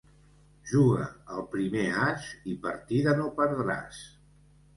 Juga el primer as i partida no perdràs.